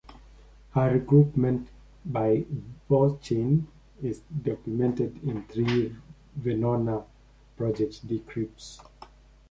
Her recruitment by Wovschin is documented in three Venona project decrypts.